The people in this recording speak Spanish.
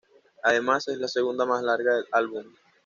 Además es la segunda más larga del álbum.